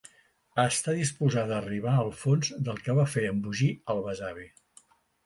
Està disposada a arribar al fons del que va fer embogir el besavi.